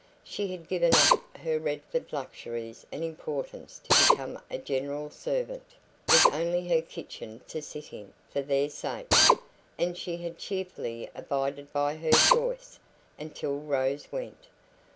She had given up her Redford luxuries and importance to become a general servant, with only her kitchen to sit in, for their sakes; and she had cheerfully abided by her choice until Rose went.